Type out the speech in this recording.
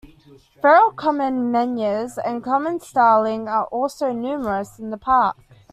Feral common mynas and common starling are also numerous in the park.